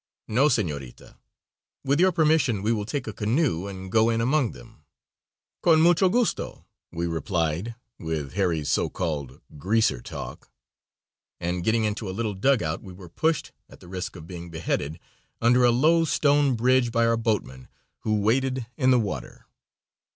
"No, senorita. With your permission we will take a canoe and go in among them." "Con mucho gusto," we replied with Harry's so called "greaser talk," and getting into a little dugout we were pushed, at the risk of being beheaded, under a low stone bridge by our boatman, who waded in the water.